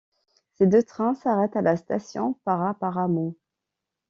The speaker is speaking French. Ces deux trains s'arrêtent à la station Paraparaumu.